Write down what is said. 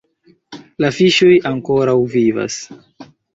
La fiŝoj ankoraŭ vivas